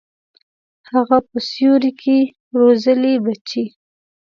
هغه په سیوري کي روزلي بچي